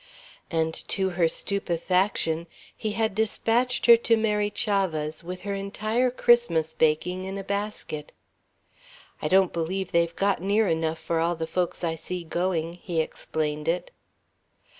And to her stupefaction he had dispatched her to Mary Chavah's with her entire Christmas baking in a basket. "I don't believe they've got near enough for all the folks I see going," he explained it.